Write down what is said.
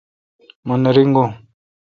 مہ نہ رنگو۔